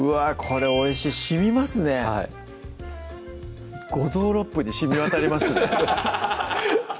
これおいしいしみますねはい五臓六腑にしみ渡りますね